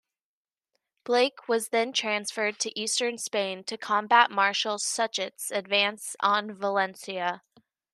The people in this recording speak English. Blake was then transferred to eastern Spain to combat Marshal Suchet's advance on Valencia.